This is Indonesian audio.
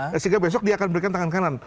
sehingga besok dia akan memberikan tangan kanan